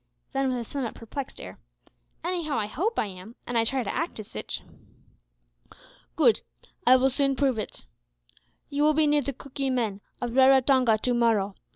Then with a somewhat perplexed air, "Anyhow I hope I am, an' I try to act as sitch." "Good, I will soon prove it. You will be near the Cookee men of Raratonga to morrow.